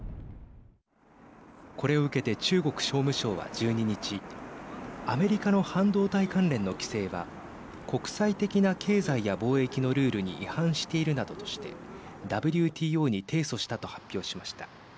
これを受けて中国商務省は１２日アメリカの半導体関連の規制は国際的な経済や貿易のルールに違反しているなどとしてＷＴＯに提訴したと発表しました。